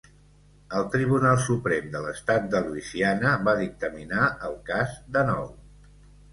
El Tribunal Suprem de l'estat de Louisiana va dictaminar el cas de nou.